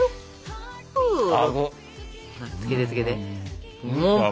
つけてつけて。